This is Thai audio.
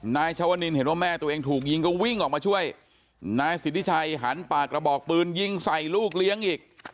นายชวนินเห็นว่าแม่ตัวเองถูกยิงก็วิ่งออกมาช่วยนายสิทธิชัยหันปากกระบอกปืนยิงใส่ลูกเลี้ยงอีก